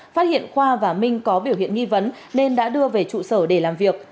phát hiện khoa và minh có biểu hiện nghi vấn nên đã đưa về trụ sở để làm việc